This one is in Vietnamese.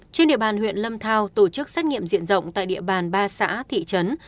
trên địa bàn huyện lâm thao tổ chức xét nghiệm diện rộng tại địa bàn ba xã thị trấn